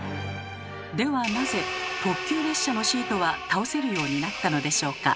ではなぜ特急列車のシートは倒せるようになったのでしょうか？